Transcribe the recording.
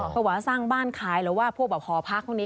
ประวัติสร้างบ้านขายหรือว่าพอพักตรงนี้